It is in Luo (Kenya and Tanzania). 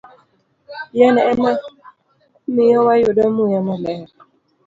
Yien ema miyo wayudo muya maler.